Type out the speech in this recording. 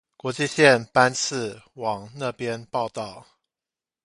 國際線班次往那邊報到